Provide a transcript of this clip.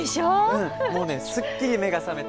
うんもうねすっきり目が覚めた。